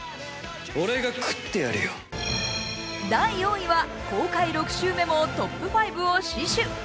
第４位は、公開６週目もトップ５を死守。